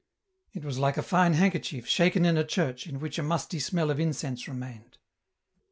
It was like a fine handkerchief shaken in a church in which a musty smell of incense remained.